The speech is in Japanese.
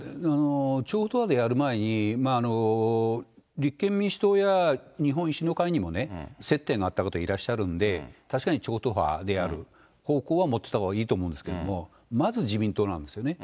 超党派でやる前に、立憲民主党や日本維新の会にも、接点があった方いらっしゃるんで、確かに超党派でやる方向は持ってた方がいいと思うんですけれども、まず自民党なんですよね。